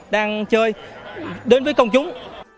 đang chơi đến với công chúng